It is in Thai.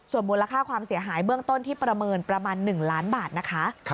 ส่วนมูลค่าความเสียหายเบื้องต้นที่ประเมินประมาณ๑ล้านบาทนะคะ